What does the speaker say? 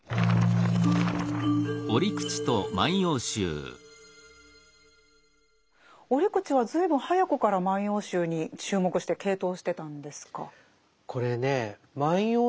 折口は随分早くから「万葉集」に注目して傾倒してたんですか？